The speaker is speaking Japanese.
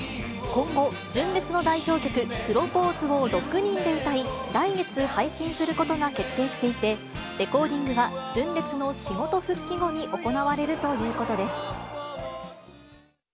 今後、純烈の代表曲、プロポーズを６人で歌い、来月配信することが決定していて、レコーディングは、純烈の仕事復帰後に行われるということです。